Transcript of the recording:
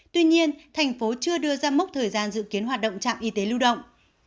tuy nhiên thành phố chưa đưa ra mốc thời gian dự kiến hoạt động trạm y tế lưu động